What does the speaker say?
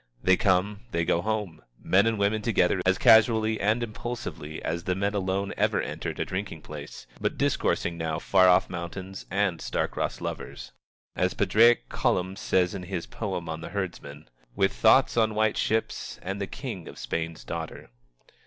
They come, they go home, men and women together, as casually and impulsively as the men alone ever entered a drinking place, but discoursing now of far off mountains and star crossed lovers. As Padraic Colum says in his poem on the herdsman: "With thoughts on white ships And the King of Spain's Daughter."